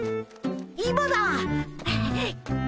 今だ！